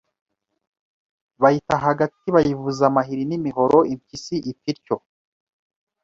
Bayita hagati, bayivuza amahiri n'imihoro impyisi ipfa ityo